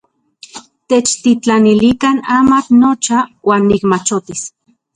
Techtitlanilikan amatl nocha uan nikmachotis.